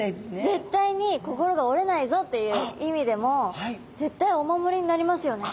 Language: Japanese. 絶対に心が折れないぞっていう意味でも絶対お守りになりますよね。